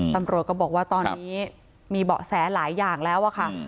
ตำรวจก็บอกว่าตอนนี้มีเบาะแสหลายอย่างแล้วอะค่ะ